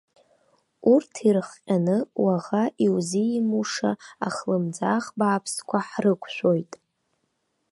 Урҭ ирыхҟьаны уаӷа иузимуша ахлымӡаах бааԥсқәа ҳрықәшәоит.